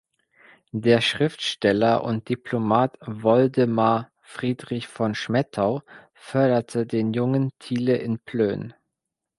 Der Schriftsteller und Diplomat Woldemar Friedrich von Schmettau förderte den jungen Thiele in Plön.